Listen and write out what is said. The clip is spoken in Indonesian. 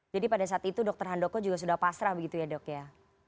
jadi pada saat itu dokter handoko juga sudah pasrah begitu ya dok ya